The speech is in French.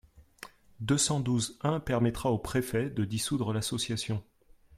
deux cent douze-un permettra au préfet de dissoudre l’association.